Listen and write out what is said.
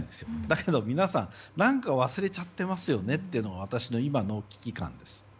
だけど皆さん何か忘れちゃってますよねというのが私の今の危機感です。